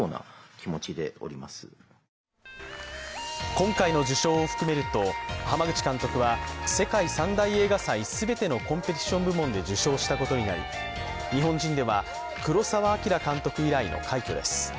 今回の受賞を含めると濱口監督は、世界三大映画祭全てのコンペティション部門で受賞したことになり日本人では黒澤明監督以来の快挙です。